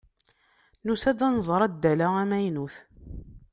Nusa-d ad nẓer addal-a amaynut.